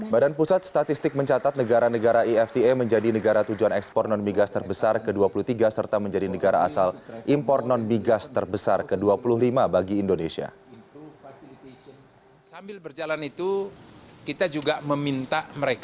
badan pusat statistik mencatat negara negara efta menjadi negara tujuan ekspor non migas terbesar ke dua puluh tiga serta menjadi negara asal impor non migas terbesar ke dua puluh lima bagi indonesia